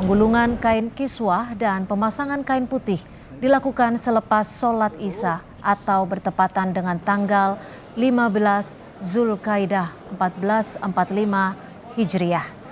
penggulungan kain kiswah dan pemasangan kain putih dilakukan selepas sholat isya atau bertepatan dengan tanggal lima belas zul qaedah seribu empat ratus empat puluh lima hijriah